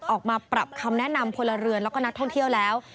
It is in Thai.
ออกมาปรับคำแนะนำพลเรือนแล้วก็นักท่องเที่ยวแล้ว